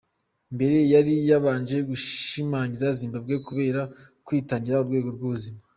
Mbere yari yabanje gushimagiza Zimbabwe kubera kwitangira urwego rw’ubuzima.